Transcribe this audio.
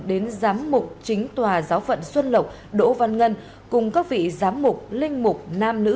đến giám mục chính tòa giáo phận xuân lộc đỗ văn ngân cùng các vị giám mục linh mục nam nữ